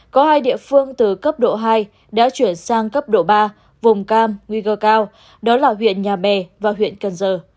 có hai địa phương từ cấp độ hai đã chuyển sang cấp độ ba vùng cam nguy cơ cao đó là huyện nhà bè và huyện cần giờ